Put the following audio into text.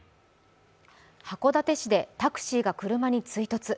函館市でタクシーが車に追突。